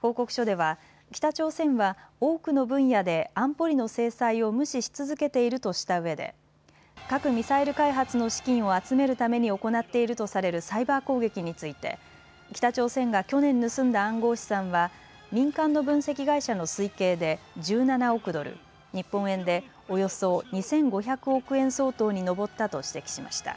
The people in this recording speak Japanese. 報告書では北朝鮮は多くの分野で安保理の制裁を無視し続けているとしたうえで核・ミサイル開発の資金を集めるために行っているとされるサイバー攻撃について北朝鮮が去年盗んだ暗号資産は民間の分析会社の推計で１７億ドル、日本円でおよそ２５００億円相当に上ったと指摘しました。